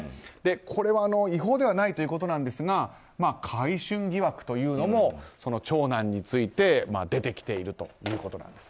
これは違法ではないということなんですが買春疑惑というのも長男について出てきているということなんです。